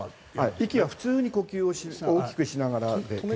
息は普通に呼吸をしながら。